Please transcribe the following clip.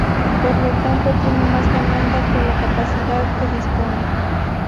Por lo tanto, tiene más demanda que la capacidad de que dispone.